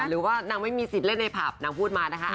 หรือว่านางไม่มีสิทธิ์เล่นในผับนางพูดมานะคะ